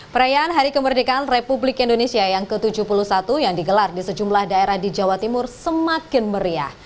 perayaan hari kemerdekaan republik indonesia yang ke tujuh puluh satu yang digelar di sejumlah daerah di jawa timur semakin meriah